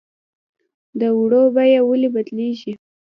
د اوړو بیه ولې بدلیږي؟